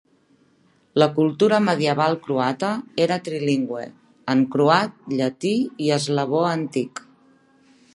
La cultura medieval croata era trilingüe: en croat, llatí i eslavó antic.